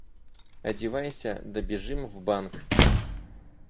Одевайся, да бежим в банк.